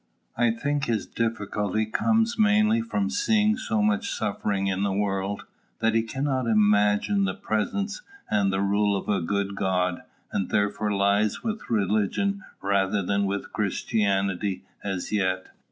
I think his difficulty comes mainly from seeing so much suffering in the world, that he cannot imagine the presence and rule of a good God, and therefore lies with religion rather than with Christianity as yet.